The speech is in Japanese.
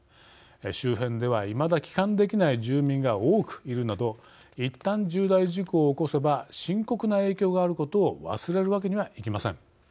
周辺では、いまだ帰還できない住民が多くいるなどいったん重大事故を起こせば深刻な影響があることを忘れるわけにはいきません。